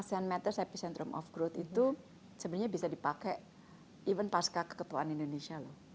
asean matter epicentrum of growth itu sebenarnya bisa dipakai even pasca keketuaan indonesia loh